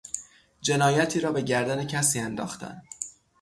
جنایتی را به گردن کسی انداختن